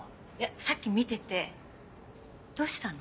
さっき見ててどうしたの？